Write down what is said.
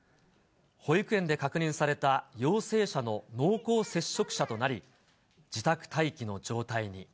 保育園で確認された陽性者の濃厚接触者となり、自宅待機の状態に。